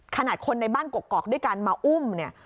ขนาดคนในบ้านกกอกด้วยกันมาอุ้มเนี่ย